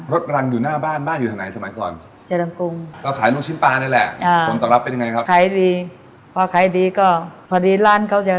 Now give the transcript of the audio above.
รังอยู่หน้าบ้านบ้านอยู่ทางไหนสมัยก่อน